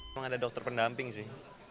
memang ada dokter pendamping sih